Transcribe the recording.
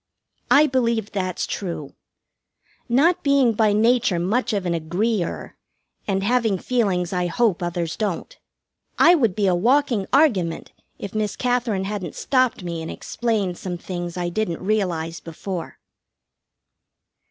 I believe that's true. Not being by nature much of an agree er, and having feelings I hope others don't, I would be a walking argument if Miss Katherine hadn't stopped me and explained some things I didn't realize before.